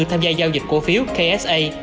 tham gia giao dịch cổ phiếu ksa